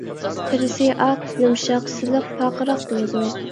تېرىسى ئاق، يۇمشاق، سىلىق، پارقىراق بولىدۇ.